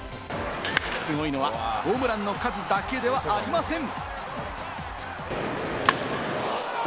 すごいのはホームランの数だけではありません。